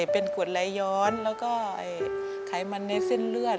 เป็นขวดไหลย้อนแล้วก็ไขมันในเส้นเลือด